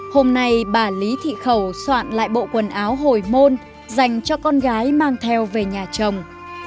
hôm nay bà lý thị khẩu soạn lại bộ quần áo hồi môn dành cho con gái mang theo về nhà chồng